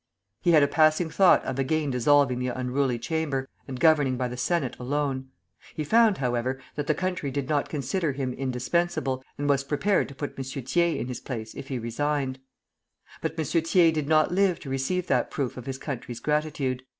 He had a passing thought of again dissolving the unruly Chamber, and governing by the Senate alone. He found, however, that the country did not consider him indispensable, and was prepared to put M. Thiers in his place if he resigned. But M. Thiers did not live to receive that proof of his country's gratitude.